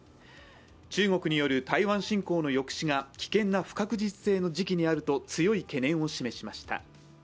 中国による台湾侵攻の抑止が危険な不確実性の時期にあると強い懸念を示しました。